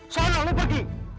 seolah lu pergi